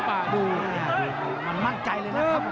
เผ่าฝั่งโขงหมดยก๒